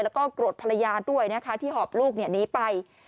แล้วก็โกรธภรรยาด้วยนะคะที่หอบลูกหนีไป